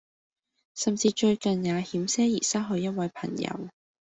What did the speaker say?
甚至最近也險些兒失去一位朋友